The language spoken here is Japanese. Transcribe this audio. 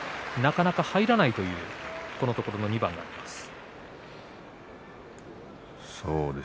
なかなか入らないというこのところの２番です。